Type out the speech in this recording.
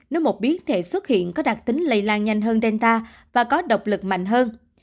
nếu một biến thể xuất hiện có đặc tính lây lan nhanh hơn delta và có độc lực mạnh hơn